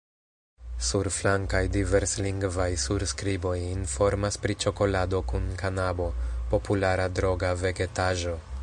Surflankaj diverslingvaj surskriboj informas pri ĉokolado kun kanabo – populara droga vegetaĵo.